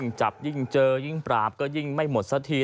จับยิ่งเจอยิ่งปราบก็ยิ่งไม่หมดสักที